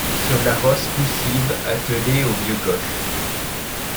Sur la rosse poussive attelée au vieux coche.